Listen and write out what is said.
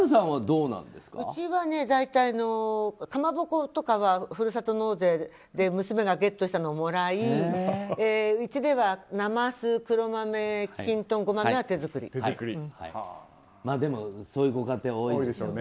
うちは大体かまぼことかは、ふるさと納税で娘がゲットしたのをもらいうちではなます、黒豆、きんとんそういうご家庭は多いでしょうね。